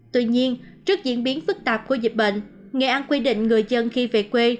tuy nhiên trước diễn biến phức tạp của dịch bệnh nghệ an quy định người dân khi về quê